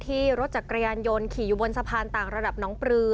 รถจักรยานยนต์ขี่อยู่บนสะพานต่างระดับน้องปลือ